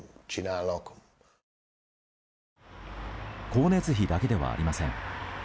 光熱費だけではありません。